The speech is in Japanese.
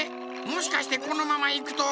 もしかしてこのままいくと。